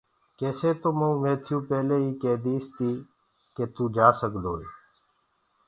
ڪيسي تو مئو ميٿيٚو پيلي ئيٚ ڪي ديٚسي ڪي تو جآسگدوئي